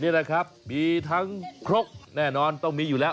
นี่แหละครับมีทั้งครกแน่นอนต้องมีอยู่แล้ว